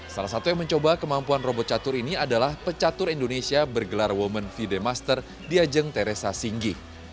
salah satu yang mencoba kemampuan robot catur ini adalah pecatur indonesia bergelar women feede master di ajang teresa singgi